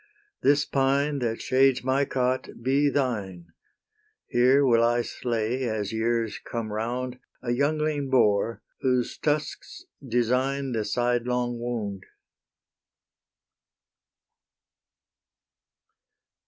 This pine that shades my cot be thine; Here will I slay, as years come round, A youngling boar, whose tusks design The side long wound.